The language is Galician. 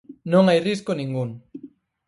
Non hai risco ningún.